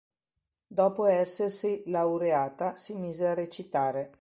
Dopo essersi laureata, si mise a recitare.